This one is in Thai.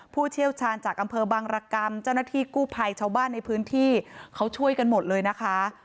ผู้เชี่ยวชาญจากอำเภอบางรกรรมเจ้าหน้าที่กู้ภัยชาวบ้านในพื้นที่เขาช่วยกันหมดเลยนะคะ